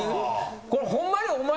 これホンマにお前が。